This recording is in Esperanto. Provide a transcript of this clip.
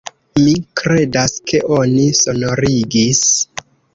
Mi kredas ke oni sonorigis.